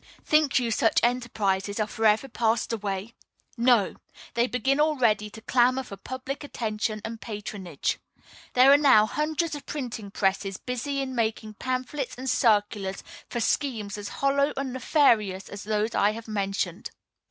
Think you such enterprises are forever passed away? No! they begin already to clamor for public attention and patronage. There are now hundreds of printing presses busy in making pamphlets and circulars for schemes as hollow and nefarious as those I have mentioned.